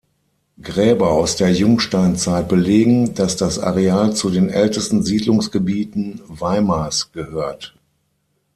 Gräber aus der Jungsteinzeit belegen, dass das Areal zu den ältesten Siedlungsgebieten Weimars gehört.